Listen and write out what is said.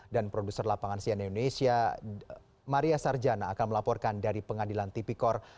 dan produser lapangan sian indonesia maria sarjana akan melaporkan dari pengadilan tipikor